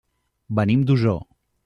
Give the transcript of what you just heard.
Venim d'Osor.